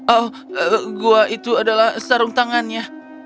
oh gua itu adalah sarung tangannya